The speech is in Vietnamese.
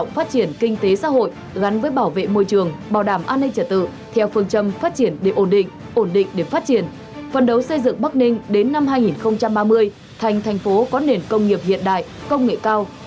phần đấu xây dựng bắc ninh đến năm hai nghìn ba mươi thành thành phố có nền công nghiệp hiện đại công nghệ cao